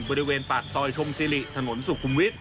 บริเวณปากซอยชมซิริถนนสุขุมวิทย